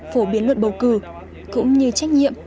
phổ biến luận bầu cử cũng như trách nhiệm